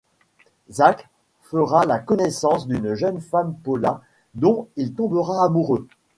Zack fera la connaissance d'une jeune femme Paula dont il tombera amoureux.